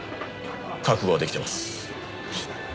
覚悟はできてます。